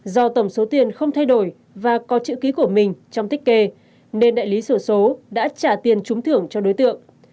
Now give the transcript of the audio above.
do tổng số tiền không thay đổi và có chữ ký của mình trong tích kê nên đại lý sổ số đã trả tiền trúng thưởng cho đối tượng